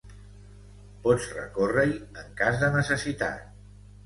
Pots recórrer-hi en cas de necessitat.